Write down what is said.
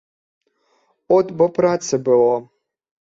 От бо працы было!